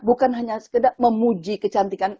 bukan hanya sekedar memuji kecantikan